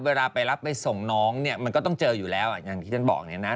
เวลาไปรับไปส่งน้องเนี่ยมันก็ต้องเจออยู่แล้วอ่ะอย่างที่ท่านบอกเนี่ยนะ